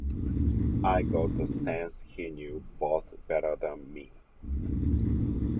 I got the sense he knew "both" better than me.